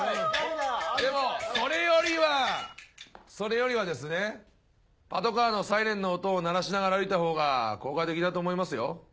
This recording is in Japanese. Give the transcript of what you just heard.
でもそれよりはそれよりはですねパトカーのサイレンの音を鳴らしながら歩いたほうが効果的だと思いますよ。